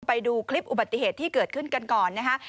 ไปดูคลิปอุบัติเหตุที่เกิดขึ้นกันก่อนนะคะ